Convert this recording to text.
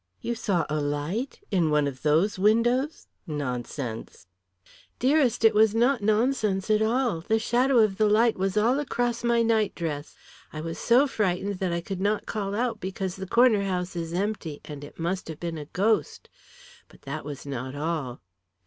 "You saw a light? In one of those windows? Nonsense!" "Dearest, it was not nonsense at all. The shadow of the light was all across my nightdress. I was so frightened that I could not call out because the Corner House is empty and it must have been a ghost. But that was not all."